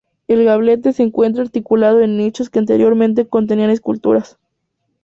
El gablete se encuentra articulado en nichos que anteriormente contenían esculturas.